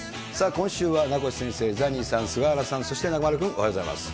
今週は名越先生、ザニーさん、菅原さん、そして中丸君、おはようございます。